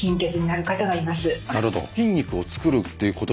なるほど。